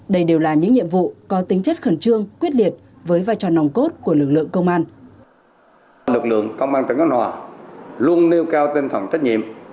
đây đều là những nhiệm vụ có tính chất khẩn trương quyết liệt với vai trò nòng cốt của lực lượng công an